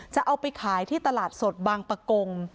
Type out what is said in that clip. จะเอาไปขายที่ตลาดสดบางปะกง